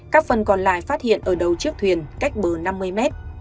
các phần còn lại phát hiện ở đầu chiếc thuyền cách bờ năm mươi mét